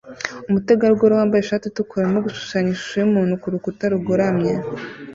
Umutegarugori wambaye ishati yumutuku arimo gushushanya ishusho yumuntu kurukuta rugoramye